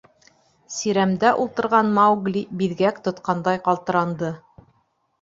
Сирәмдә ултырған Маугли биҙгәк тотҡандай ҡалтыранды.